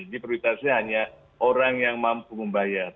ini prioritasnya hanya orang yang mampu membayar